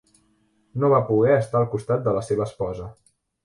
No va poguer estar al costat de la seva esposa.